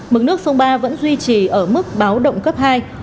mực nước sông ba vẫn duy trì ở mức báo động cấp hai